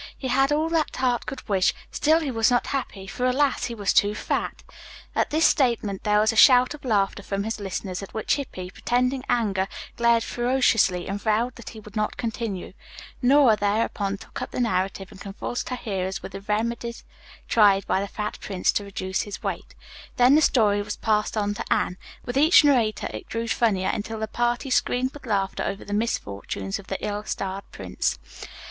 He had all that heart could wish; still he was not happy, for, alas, he was too fat." At this statement there was a shout of laughter from his listeners, at which Hippy, pretending anger, glared ferociously and vowed that he would not continue. Nora thereupon took up the narrative and convulsed her hearers with the remedies tried by the fat prince to reduce his weight. Then the story was passed on to Anne. With each narrator it grew funnier, until the party screamed with laughter over the misfortunes of the ill starred prince.